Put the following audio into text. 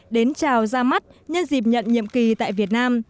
đến chào ra mắt nhân dịp nhận nhiệm kỳ tại việt nam